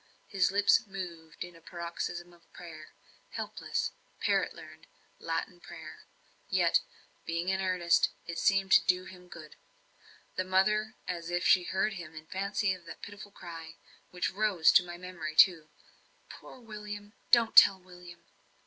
His lips moved in a paroxysm of prayer helpless, parrot learnt, Latin prayer; yet, being in earnest, it seemed to do him good. The mother, as if she heard in fancy that pitiful cry, which rose to my memory too "Poor William! don't tell William!"